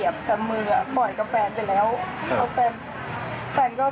แล้วก็ไก่เหยียบกับมืออ่ะปล่อยกับแฟนไปแล้ว